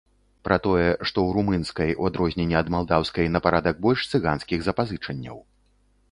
Пра тое, што ў румынскай, у адрозненне ад малдаўскай, на парадак больш цыганскіх запазычанняў.